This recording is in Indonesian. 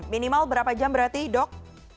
minimal berapa jam berarti dok